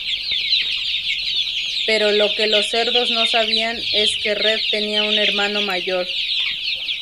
Pero lo que los cerdos no sabían es que Red tenía un hermano mayor.